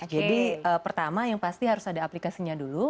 jadi pertama yang pasti harus ada aplikasinya dulu